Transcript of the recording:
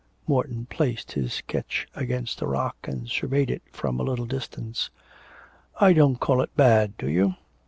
Morton placed his sketch against a rock, and surveyed it from a little distance. 'I don't call it bad, do you?